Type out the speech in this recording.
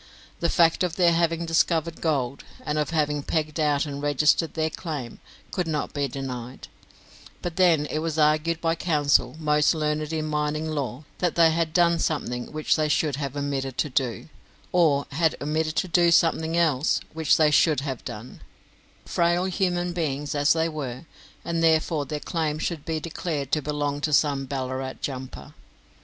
The fact of their having discovered gold, and of having pegged out and registered their claim, could not be denied; but then it was argued by counsel most learned in mining law that they had done something which they should have omitted to do, or had omitted to do something else which they should have done, frail human beings as they were, and therefore their claim should be declared to belong to some Ballarat jumper.